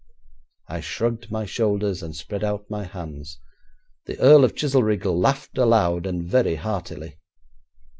I shrugged my shoulders and spread out my hands. The Earl of Chizelrigg laughed aloud and very heartily.